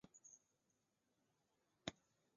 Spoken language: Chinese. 又有出羽富士的别称。